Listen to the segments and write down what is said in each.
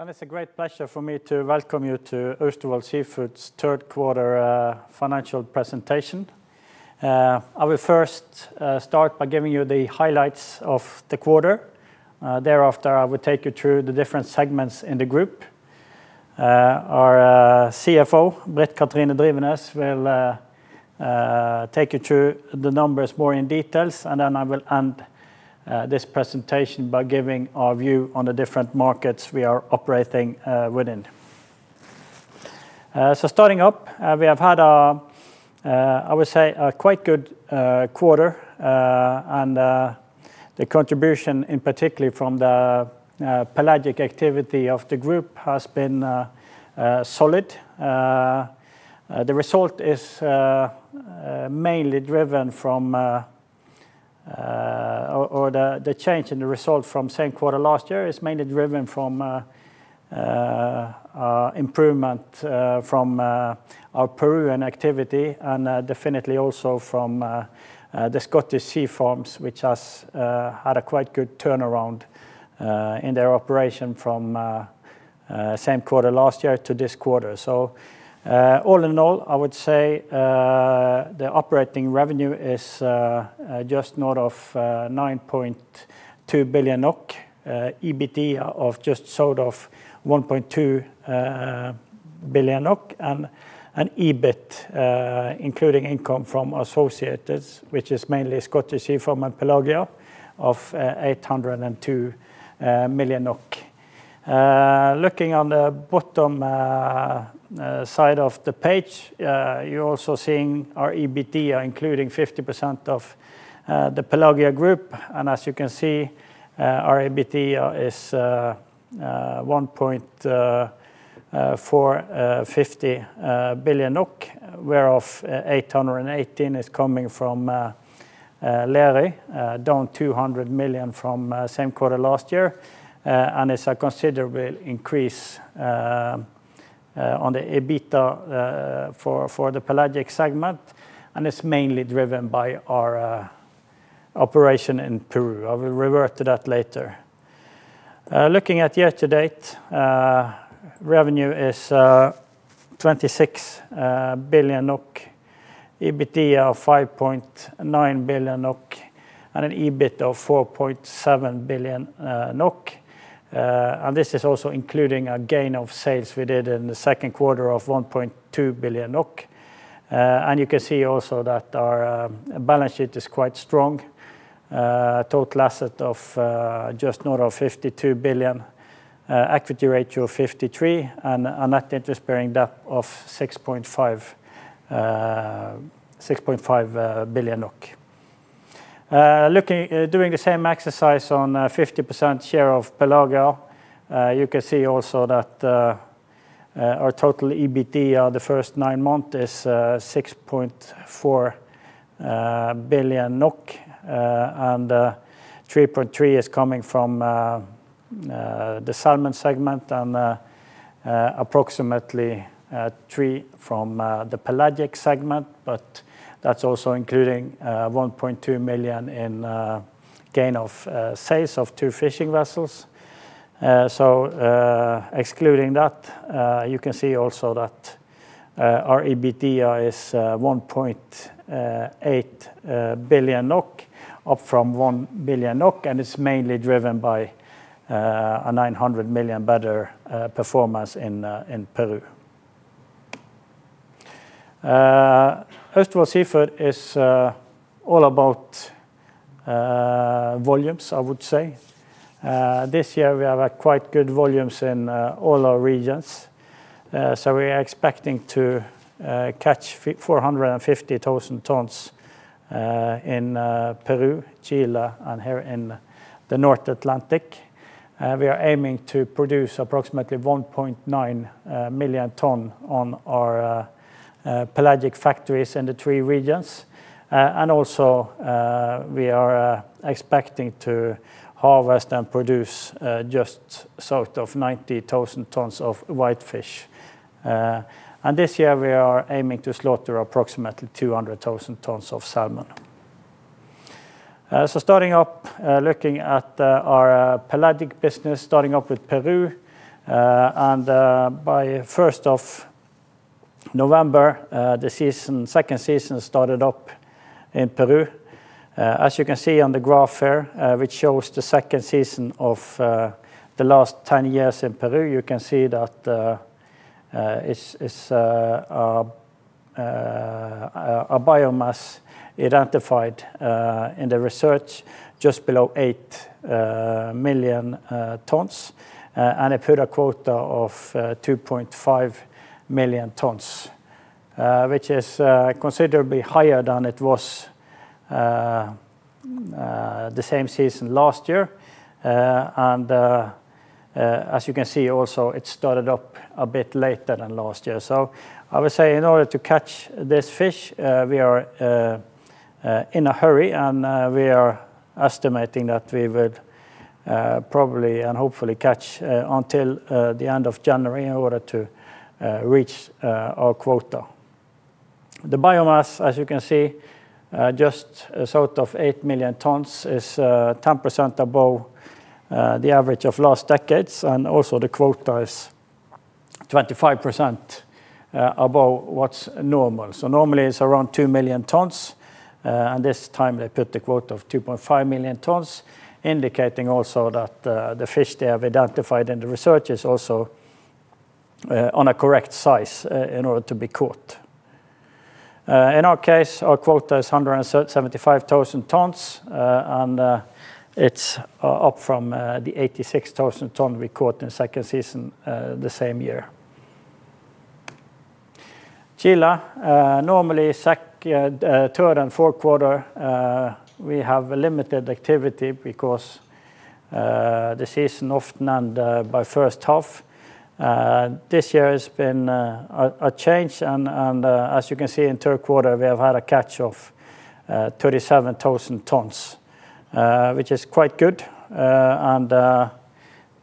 It's a great pleasure for me to welcome you to Austevoll Seafood's third quarter financial presentation. I will first start by giving you the highlights of the quarter. Thereafter, I will take you through the different segments in the group. Our CFO, Britt Kathrine Drivenes, will take you through the numbers more in details, then I will end this presentation by giving our view on the different markets we are operating within. Starting up, we have had, I would say, a quite good quarter, and the contribution in particular from the pelagic activity of the group has been solid. The change in the result from same quarter last year is mainly driven from improvement from our Peruvian activity and definitely also from the Scottish Sea Farms, which has had a quite good turnaround in their operation from same quarter last year to this quarter. All in all, I would say the operating revenue is just north of 9.2 billion NOK, EBT of just south of 1.2 billion NOK and EBIT, including income from associates, which is mainly Scottish Sea Farms, Pelagia of 802 million NOK. Looking on the bottom side of the page, you are also seeing our EBT including 50% of the Pelagia Group. As you can see, our EBT is 1.450 billion NOK, whereof 818 is coming from Lerøy, down 200 million from same quarter last year. It's a considerable increase on the EBIT for the pelagic segment, and it's mainly driven by our operation in Peru. I will revert to that later. Looking at year-to-date, revenue is 26 billion NOK, EBT of 5.9 billion NOK and an EBIT of 4.7 billion NOK. This is also including a gain of sales we did in the second quarter of 1.2 billion NOK. You can see also that our balance sheet is quite strong. Total asset of just north of 52 billion, equity ratio of 53% and a net interest-bearing debt of 6.5 billion. Doing the same exercise on 50% share of Pelagia, you can see also that our total EBT the first nine months is 6.4 billion NOK, 3.3 billion is coming from the salmon segment and approximately 3 billion from the pelagic segment. That's also including 1.2 billion in gain of sales of two fishing vessels. Excluding that, you can see also that our EBT is 1.8 billion NOK, up from 1 billion NOK, and it's mainly driven by a 900 million better performance in Peru. Austevoll Seafood is all about volumes, I would say. This year we have quite good volumes in all our regions. We are expecting to catch 450,000 tonnes in Peru, Chile and here in the North Atlantic. We are aiming to produce approximately 1.9 million tonne on our pelagic factories in the three regions. We are expecting to harvest and produce just south of 90,000 tonnes of whitefish. This year we are aiming to slaughter approximately 200,000 tonnes of salmon. Starting up, looking at our pelagic business, starting up with Peru. By 1st of November, the second season started up in Peru. As you can see on the graph here, which shows the second season of the last 10 years in Peru, you can see that it's a biomass identified in the research just below 8 million tonnes. It put a quota of 2.5 million tons, which is considerably higher than it was the same season last year. As you can see also, it started up a bit later than last year. I would say in order to catch this fish, we are in a hurry, and we are estimating that we would probably and hopefully catch until the end of January in order to reach our quota. The biomass, as you can see, just sort of 8 million tons is 10% above the average of last decades, and also the quota is 25% above what's normal. Normally it's around 2 million tons, and this time they put the quota of 2.5 million tons, indicating also that the fish they have identified in the research is also on a correct size in order to be caught. Our quota is 175,000 tons, and it's up from the 86,000 tons we caught in second season the same year. In Chile, normally second, third, and fourth quarter, we have limited activity because the season often ends by first half. This year has been a change, as you can see in third quarter, we have had a catch of 37,000 tons, which is quite good.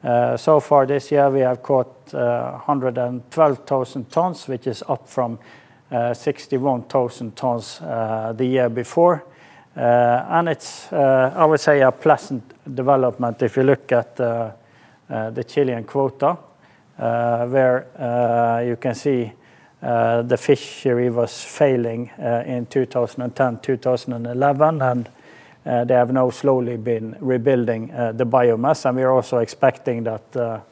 So far this year we have caught 112,000 tons, which is up from 61,000 tons the year before. It's, I would say, a pleasant development if you look at the Chilean quota, where you can see the fishery was failing in 2010, 2011, and they have now slowly been rebuilding the biomass. We are also expecting that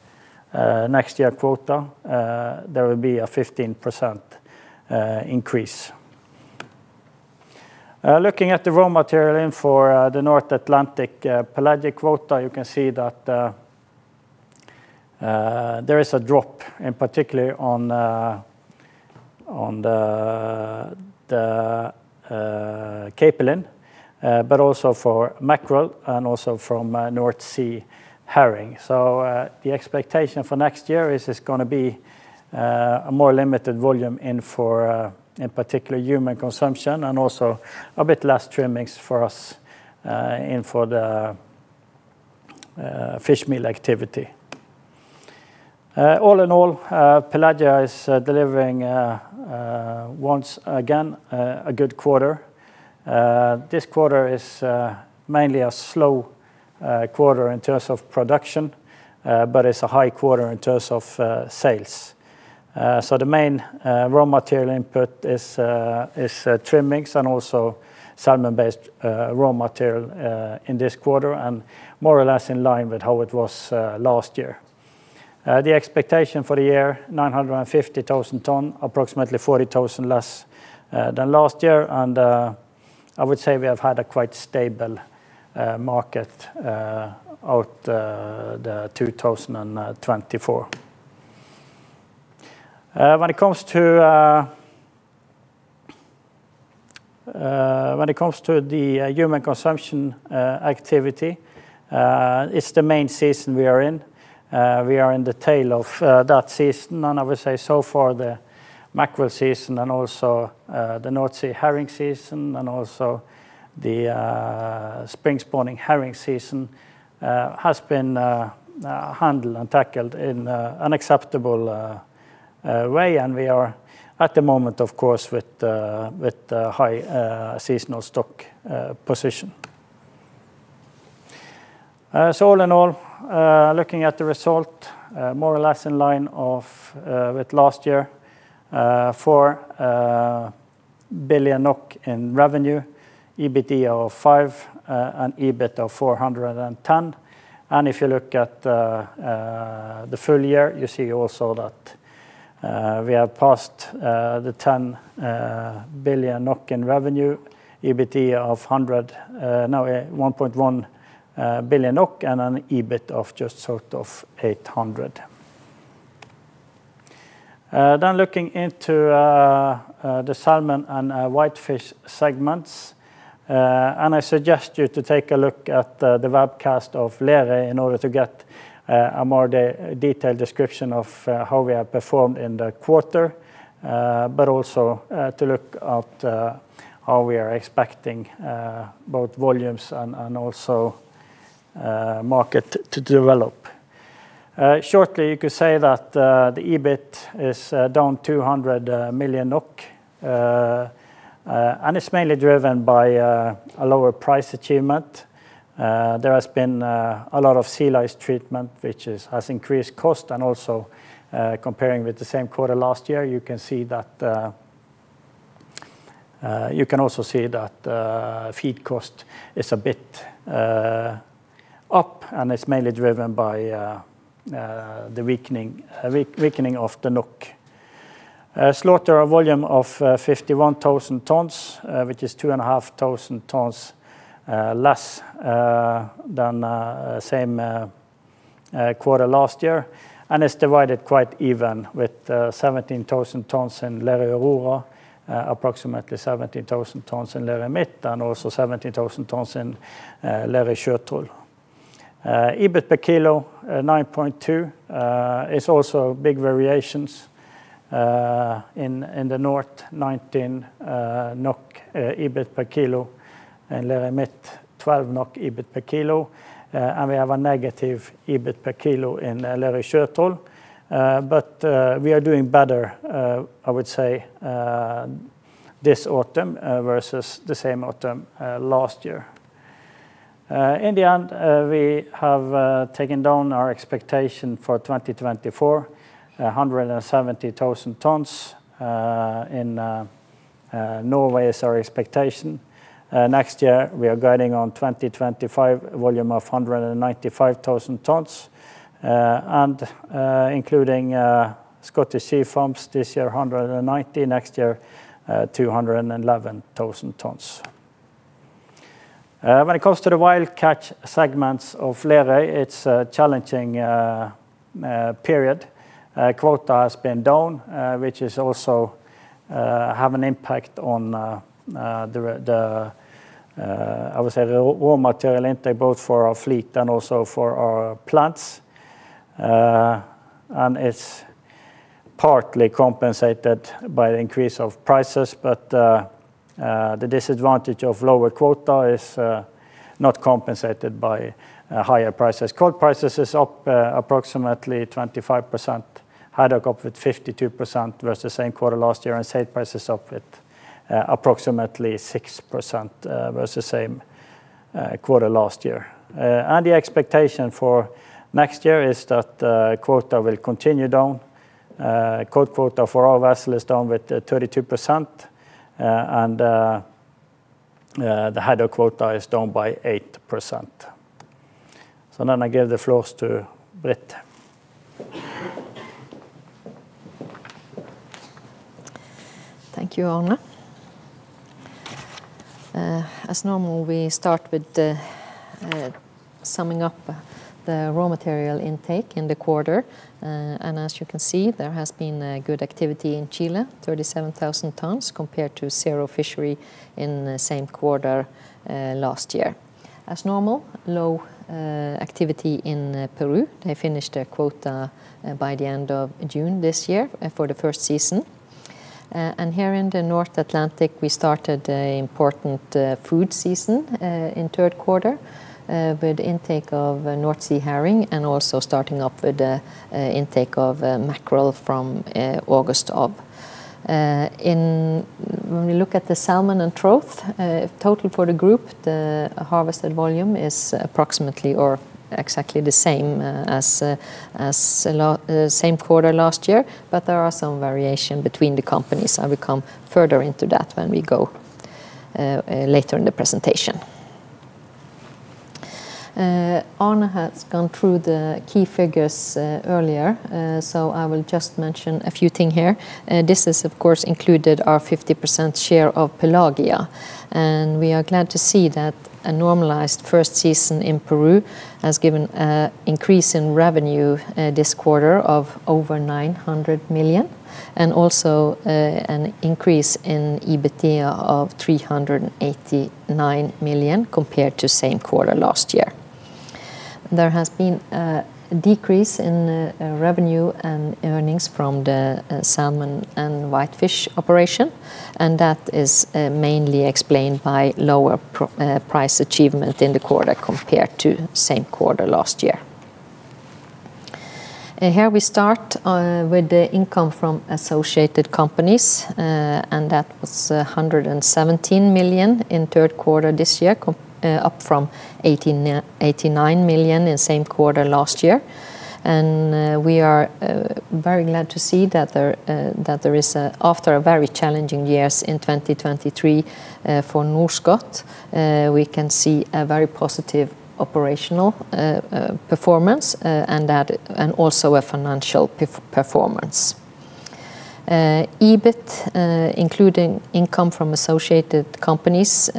next year's quota, there will be a 15% increase. Looking at the raw material for the North Atlantic pelagic quota, you can see that there is a drop in particular on the capelin, but also for mackerel and also from North Sea herring. The expectation for next year is it's going to be a more limited volume for, in particular human consumption and also a bit less trimmings for us for the fishmeal activity. All in all, Pelagia is delivering once again, a good quarter. This quarter is mainly a slow quarter in terms of production, but it's a high quarter in terms of sales. The main raw material input is trimmings and also salmon-based raw material, in this quarter and more or less in line with how it was last year. The expectation for the year, 950,000 tons, approximately 40,000 less than last year, I would say we have had a quite stable market out in 2024. When it comes to the human consumption activity, it's the main season we are in. We are in the tail of that season, I would say so far the mackerel season and also the North Sea herring season and also the spring spawning herring season has been handled and tackled in an unacceptable way and we are at the moment, of course, with high seasonal stock position. All in all, looking at the result, more or less in line with last year, 4 billion NOK in revenue, EBITDA of 5, and EBIT of 410. If you look at the full year, you see also that we have passed 10 billion NOK in revenue, EBIT of 1.1 billion NOK and an EBIT of just sort of 800. Looking into the salmon and whitefish segments, I suggest you to take a look at the webcast of Lerøy in order to get a more detailed description of how we have performed in the quarter, but also to look at how we are expecting both volumes and also market to develop. Shortly, you could say that the EBIT is down 200 million NOK, it's mainly driven by a lower price achievement. There has been a lot of sea lice treatment, which has increased cost comparing with the same quarter last year, you can also see that feed cost is a bit up and it's mainly driven by the weakening of the NOK. Slaughter volume of 51,000 tons, which is 2,500 tons less than same quarter last year. It's divided quite even with 17,000 tons in Lerøy Aurora, approximately 17,000 tons in Lerøy Midt, and also 17,000 tons in Lerøy Sjøtroll. EBIT per kilo, 9.2, is also big variations, in the North, 19 NOK EBIT per kilo, in Lerøy Midt, 12 NOK EBIT per kilo, and we have a negative EBIT per kilo in Lerøy Sjøtroll. We are doing better, I would say, this autumn versus the same autumn last year. In the end, we have taken down our expectation for 2024, 170,000 tonnes in Norway is our expectation. Next year, we are guiding on 2025 volume of 195,000 tonnes, including Scottish Sea Farms this year, 190,000 tonnes. Next year, 211,000 tonnes. When it comes to the wild catch segments of Lerøy, it's a challenging period. Quota has been down, which also has an impact on the, I would say, the raw material intake, both for our fleet and also for our plants. It's partly compensated by the increase of prices, but the disadvantage of lower quota is not compensated by higher prices. Cod prices is up approximately 25%, haddock up with 52% versus the same quarter last year, and skate prices up with approximately 6% versus same quarter last year. The expectation for next year is that quota will continue down. Cod quota for our vessel is down with 32%, and the haddock quota is down by 8%. I give the floor to Britt. Thank you, Arne. As normal, we start with summing up the raw material intake in the quarter. As you can see, there has been good activity in Chile, 37,000 tonnes compared to zero fishery in the same quarter last year. As normal, low activity in Peru. They finished their quota by the end of June this year for the first season. Here in the North Atlantic, we started the important food season in third quarter with intake of North Sea herring and also starting up with the intake of mackerel from August up. When we look at the salmon and trout, total for the group, the harvested volume is approximately or exactly the same as the same quarter last year, but there are some variations between the companies, and we come further into that when we go later in the presentation. Arne has gone through the key figures earlier, so I will just mention a few things here. This has, of course, included our 50% share of Pelagia. We are glad to see that a normalized first season in Peru has given increase in revenue this quarter of over 900 million, and also an increase in EBITDA of 389 million compared to same quarter last year. There has been a decrease in revenue and earnings from the salmon and whitefish operation, and that is mainly explained by lower price achievement in the quarter compared to same quarter last year. Here we start with the income from associated companies, and that was 117 million in third quarter this year, up from 89 million in the same quarter last year. We are very glad to see that there is, after very challenging years in 2023 for Scottish Sea Farms, we can see a very positive operational performance and also a financial performance. EBIT, including income from associated companies,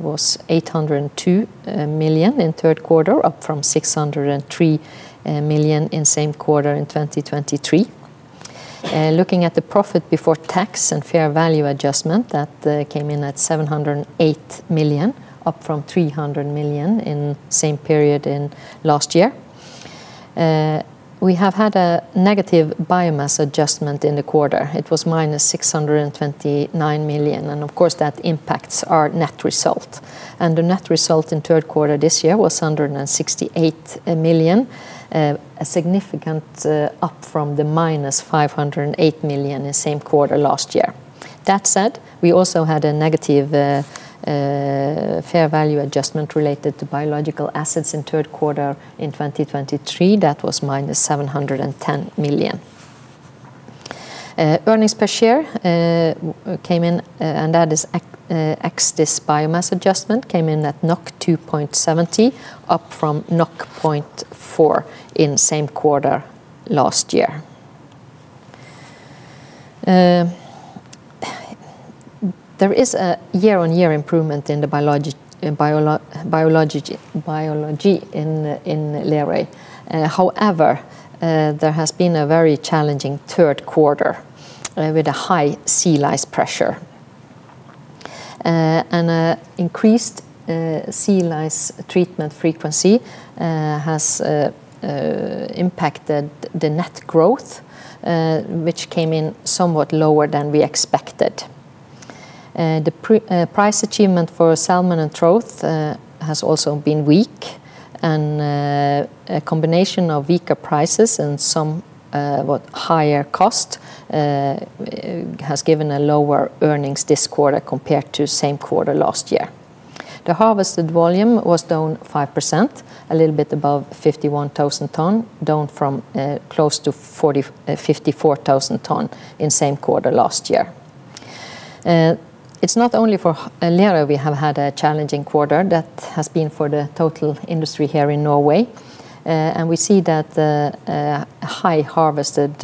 was 802 million in third quarter up from 603 million in same quarter in 2023. Looking at the profit before tax and fair value adjustment, that came in at 708 million, up from 300 million in same period in last year. We have had a negative biomass adjustment in the quarter. It was minus 629 million, and of course, that impacts our net result. The net result in third quarter this year was 168 million, a significant up from the minus 508 million in the same quarter last year. That said, we also had a negative fair value adjustment related to biological assets in third quarter in 2023. That was minus 710 million. Earnings per share came in, and that is ex this biomass adjustment, came in at 2.70, up from 0.4 in same quarter last year. There is a year-on-year improvement in the biology in Lerøy. However, there has been a very challenging third quarter with a high sea lice pressure. Increased sea lice treatment frequency has impacted the net growth, which came in somewhat lower than we expected. The price achievement for salmon and trout has also been weak. A combination of weaker prices and some higher costs has given a lower earnings this quarter compared to same quarter last year. The harvested volume was down 5%, a little bit above 51,000 tonnes, down from close to 54,000 tonnes in same quarter last year. It is not only for Lerøy we have had a challenging quarter. That has been for the total industry here in Norway. We see that the high harvested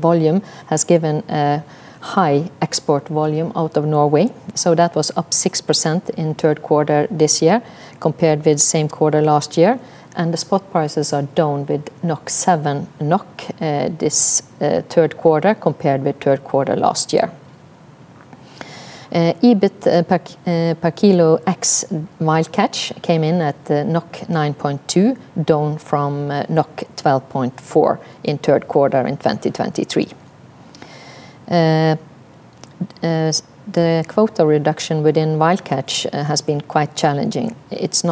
volume has given a high export volume out of Norway. That was up 6% in third quarter this year compared with same quarter last year. The spot prices are down with 7 NOK this third quarter compared with third quarter last year. EBIT per kilo ex wild catch came in at 9.2, down from 12.4 in third quarter in 2023. The quota reduction within wild catch has been quite challenging. It's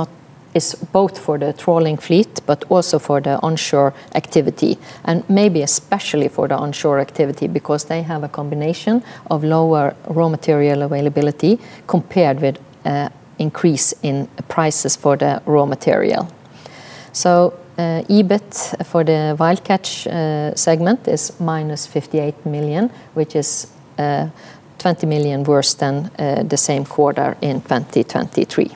both for the trawling fleet but also for the onshore activity, and maybe especially for the onshore activity because they have a combination of lower raw material availability compared with increase in prices for the raw material. EBIT for the wild catch segment is -58 million, which is 20 million worse than the same quarter in 2023.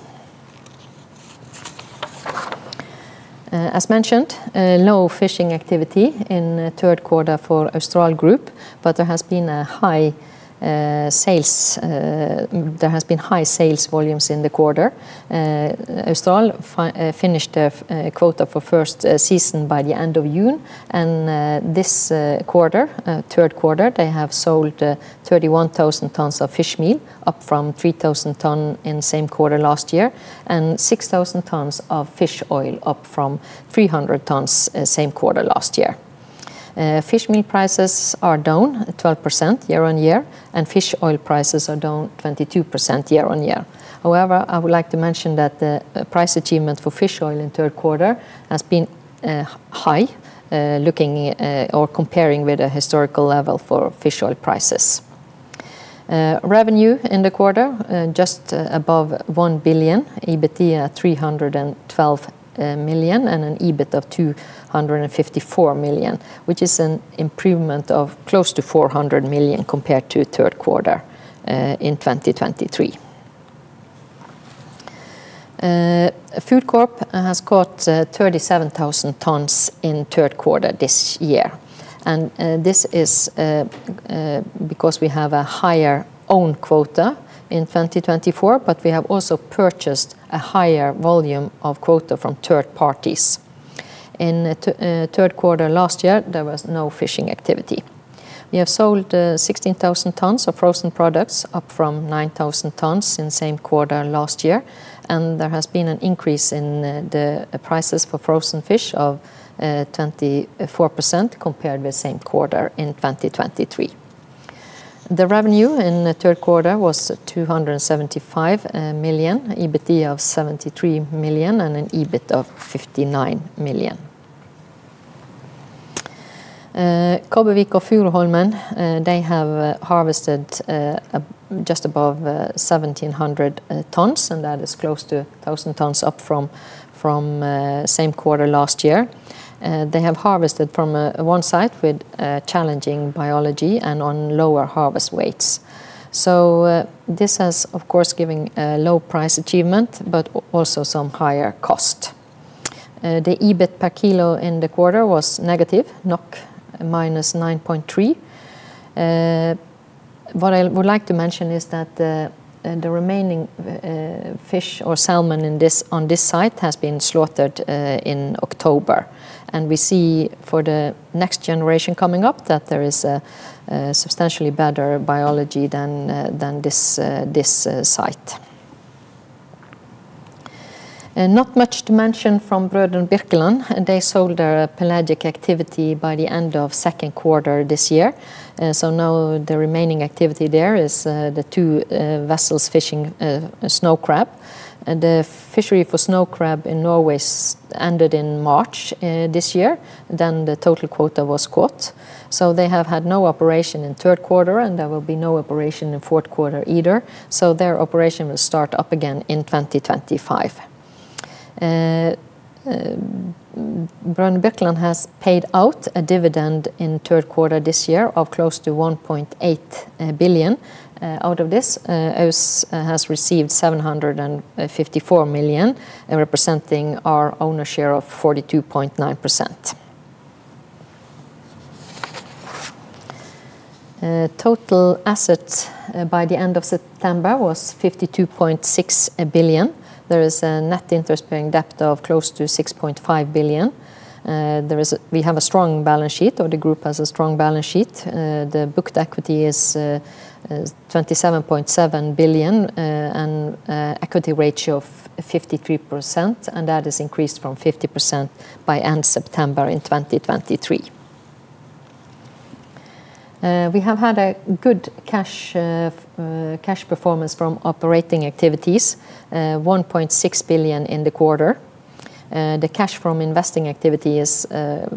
As mentioned, low fishing activity in third quarter for Austral Group. There has been high sales volumes in the quarter. Austral finished a quota for first season by the end of June. This third quarter, they have sold 31,000 tonnes of fishmeal, up from 3,000 tonnes in same quarter last year, and 6,000 tonnes of fish oil, up from 300 tonnes same quarter last year. Fishmeal prices are down 12% year-on-year, and fish oil prices are down 22% year-on-year. I would like to mention that the price achievement for fish oil in third quarter has been high comparing with the historical level for fish oil prices. Revenue in the quarter, just above 1 billion. EBITA 312 million and an EBIT of 254 million, which is an improvement of close to 400 million compared to third quarter in 2023. FoodCorp has caught 37,000 tonnes in third quarter this year. This is because we have a higher own quota in 2024. We have also purchased a higher volume of quota from third parties. In third quarter last year, there was no fishing activity. We have sold 16,000 tonnes of frozen products, up from 9,000 tonnes in same quarter last year. There has been an increase in the prices for frozen fish of 24% compared with same quarter in 2023. The revenue in the third quarter was 275 million, EBITA of 73 million, and an EBIT of 59 million. Kobbevik og Furuholmen, they have harvested just above 1,700 tonnes, and that is close to 1,000 tonnes up from same quarter last year. They have harvested from one site with challenging biology and on lower harvest weights. This has, of course, given a low price achievement, but also some higher cost. The EBIT per kilo in the quarter was negative, -9.3. What I would like to mention is that the remaining fish or salmon on this site has been slaughtered in October. We see for the next generation coming up that there is a substantially better biology than this site. Not much to mention from Brødrene Birkeland. They sold their pelagic activity by the end of second quarter this year. Now the remaining activity there is the two vessels fishing snow crab. The fishery for snow crab in Norway ended in March this year. The total quota was caught. They have had no operation in third quarter, and there will be no operation in fourth quarter either. Their operation will start up again in 2025. Br. Birkeland AS has paid out a dividend in third quarter this year of close to 1.8 billion. Out of this, AUSS has received 754 million, representing our owner share of 42.9%. Total assets by the end of September was 52.6 billion. There is a net interest-bearing debt of close to 6.5 billion. We have a strong balance sheet, or the group has a strong balance sheet. The booked equity is 27.7 billion and equity ratio of 53%, and that is increased from 50% by end September in 2023. We have had a good cash performance from operating activities, 1.6 billion in the quarter. The cash from investing activity is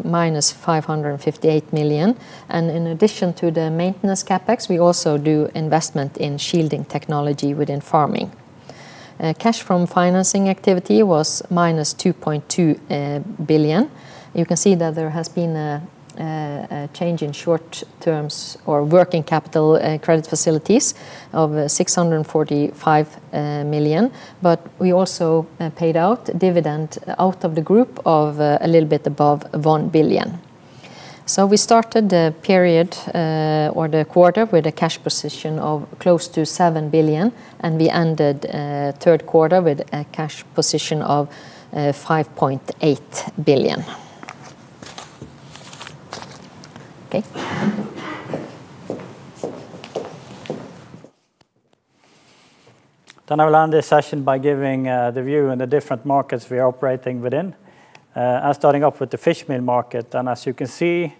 minus 558 million, and in addition to the maintenance CapEx, we also do investment in shielding technology within farming. Cash from financing activity was minus 2.2 billion. You can see that there has been a change in short terms or working capital credit facilities of 645 million, we also paid out dividend out of the group of a little bit above 1 billion. We started the period or the quarter with a cash position of close to 7 billion, and we ended third quarter with a cash position of 5.8 billion. Okay. I will end this session by giving the view in the different markets we are operating within. Starting off with the fishmeal market, as you can see,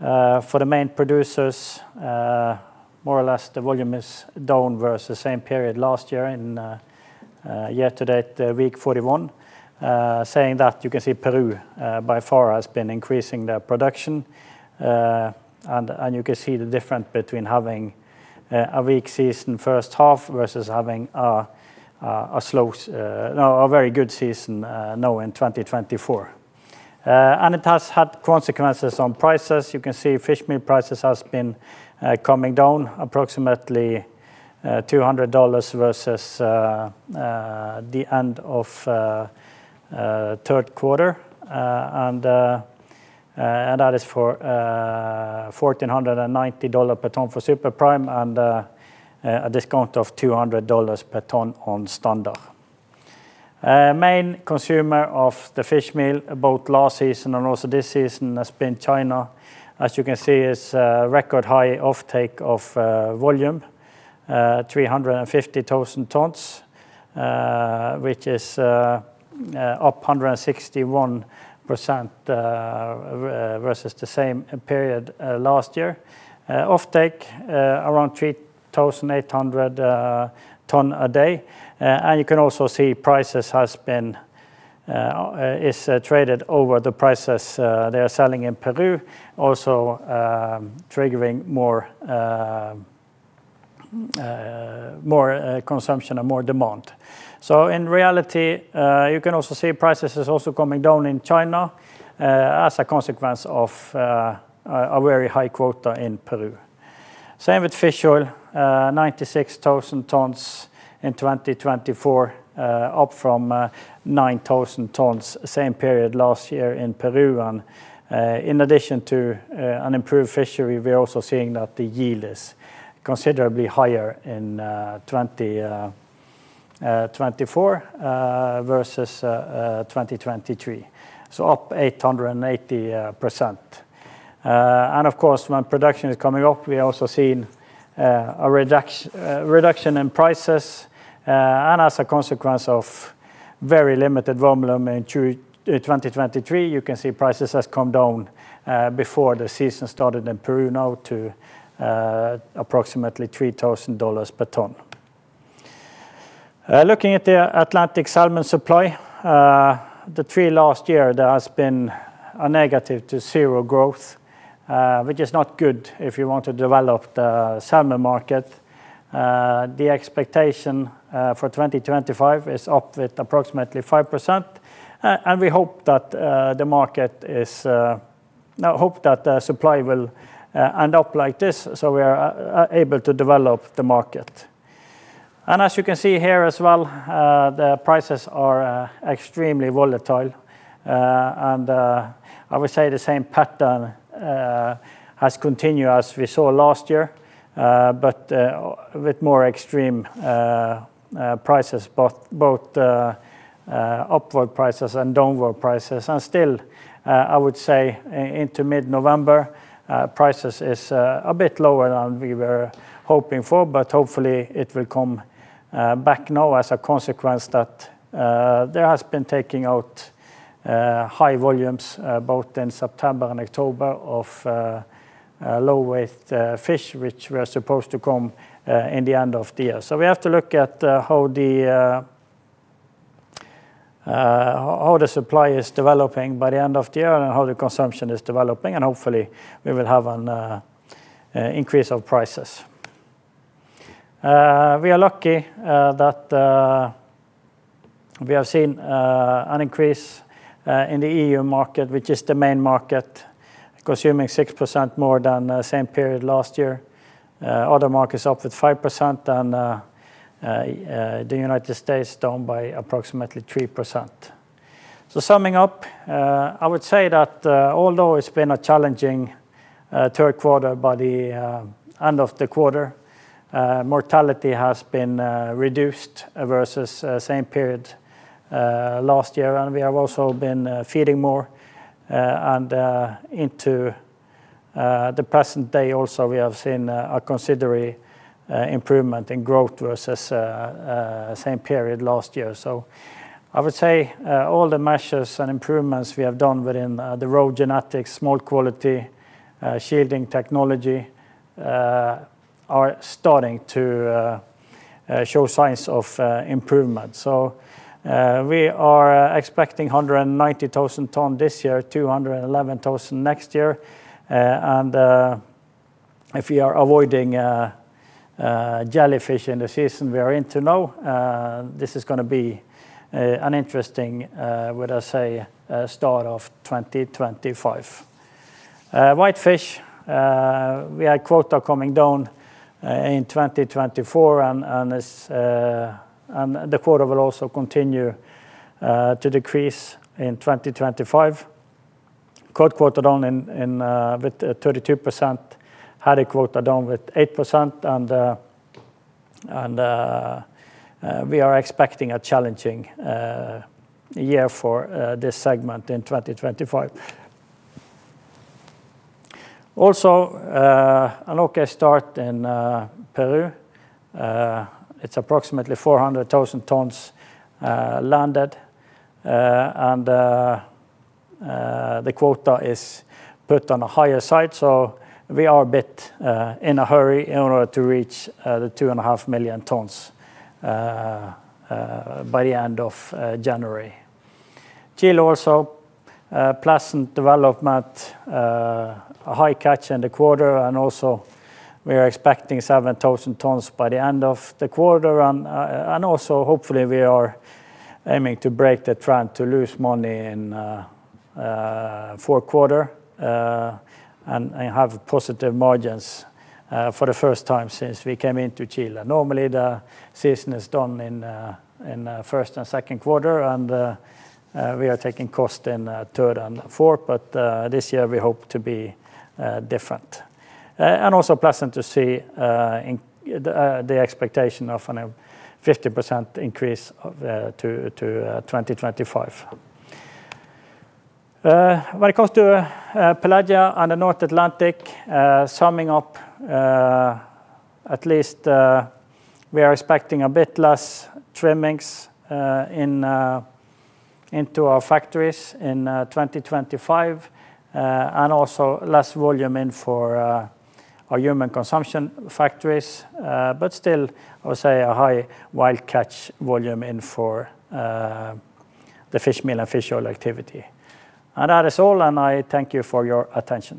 for the main producers, more or less the volume is down versus the same period last year in year to date week 41. Saying that, you can see Peru by far has been increasing their production. You can see the difference between having a weak season first half versus having a very good season now in 2024. It has had consequences on prices. You can see fishmeal prices has been coming down approximately $200 versus the end of third quarter. That is for $1,490 per ton for super prime and a discount of $200 per ton on standard. Main consumer of the fishmeal both last season and also this season has been China. As you can see, it's a record high offtake of volume, 350,000 tons, which is up 161% versus the same period last year. Offtake around 3,800 ton a day. You can also see prices is traded over the prices they are selling in Peru. Also triggering more consumption and more demand. In reality, you can also see prices is also coming down in China as a consequence of a very high quota in Peru. Same with fish oil, 96,000 tons in 2024, up from 9,000 tons same period last year in Peru. In addition to an improved fishery, we are also seeing that the yield is considerably higher in 2024 versus 2023. Up 880%. Of course, when production is coming up, we also seen a reduction in prices. As a consequence of very limited volume in 2023, you can see prices has come down before the season started in Peru now to approximately $3,000 per ton. Looking at the Atlantic salmon supply, the three last year there has been a negative to zero growth, which is not good if you want to develop the salmon market. The expectation for 2025 is up with approximately 5%, and we hope that supply will end up like this, so we are able to develop the market. As you can see here as well, the prices are extremely volatile. I would say the same pattern has continued as we saw last year, but with more extreme prices, both upward prices and downward prices. Still, I would say into mid-November, prices is a bit lower than we were hoping for, but hopefully it will come back now as a consequence that there has been taking out high volumes both in September and October of low-weight fish, which were supposed to come in the end of the year. We have to look at how the supply is developing by the end of the year and how the consumption is developing, and hopefully we will have an increase of prices. We are lucky that we have seen an increase in the EU market, which is the main market consuming 6% more than the same period last year. Other markets up with 5%, and the United States down by approximately 3%. Summing up, I would say that although it's been a challenging third quarter, by the end of the quarter, mortality has been reduced versus same period last year, and we have also been feeding more. Into the present day also, we have seen a considerate improvement in growth versus same period last year. I would say all the measures and improvements we have done within the raw genetics, smolt quality, shielding technology, are starting to show signs of improvement. We are expecting 190,000 ton this year, 211,000 next year. If we are avoiding jellyfish in the season we are into now, this is going to be an interesting, would I say, start of 2025. Whitefish, we had quota coming down in 2024, and the quota will also continue to decrease in 2025. Cod quota down with 32%, haddock quota down with 8%, we are expecting a challenging year for this segment in 2025. Also, an okay start in Peru. It's approximately 400,000 tons landed, and the quota is put on a higher side, so we are a bit in a hurry in order to reach the two and a half million tons by the end of January. Chile, also a pleasant development. A high catch in the quarter, and also we are expecting 7,000 tons by the end of the quarter. Also, hopefully, we are aiming to break the trend to lose money in fourth quarter, and have positive margins for the first time since we came into Chile. Normally, the season is done in first and second quarter, and we are taking cost in third and fourth, but this year we hope to be different. Also pleasant to see the expectation of a 50% increase to 2025. When it comes to Pelagia and the North Atlantic, summing up, at least we are expecting a bit less trimmings into our factories in 2025. Also less volume in for our human consumption factories. Still, I would say, a high wild catch volume in for the fish meal and fish oil activity. That is all, and I thank you for your attention.